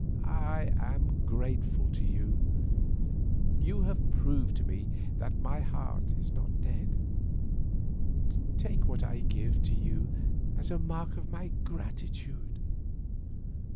I am grateful to you, who have proved to me that my heart is not dead, take what I give you as a mark of my gratitude."